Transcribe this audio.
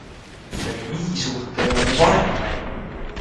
Midagi nii suurt ei ole me varem näinud.